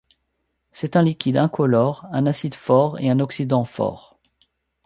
C'est un liquide incolore, un acide fort et un oxydant fort.